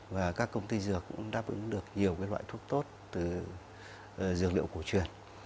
và các công ty dược cũng đáp ứng được nhiều loại thuốc tốt từ dược liệu cổ truyền